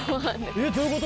えっどういうこと？